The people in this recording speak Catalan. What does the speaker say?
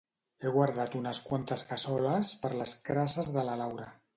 He guardat unes quantes cassoles per les crasses de la Laura